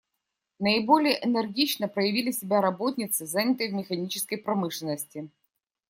Наиболее энергично проявили себя работницы, занятые в механической промышленности.